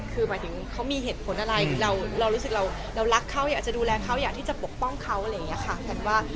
คือหมายถึงเขามีเหตุผลอะไรเรารู้สึกเรารักเขาอยากจะดูแลเขาอยากที่จะปกป้องเขาอะไรอย่างนี้ค่ะแพทย์ว่า